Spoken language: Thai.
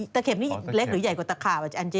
ตะเข็บนี่เล็กหรือใหญ่กว่าตะข่าวอาจารย์จี้